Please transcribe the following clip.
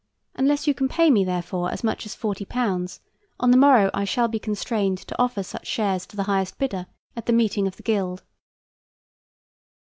Unless you can pay me, therefore, as much as £40, on the morrow I shall be constrained to offer such shares to the highest bidder at the meeting of the guild.